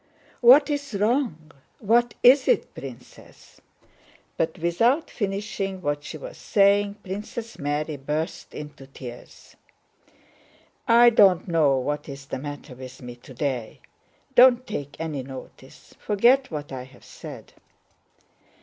"What is wrong? What is it, Princess?" But without finishing what she was saying, Princess Mary burst into tears. "I don't know what is the matter with me today. Don't take any notice—forget what I have said!"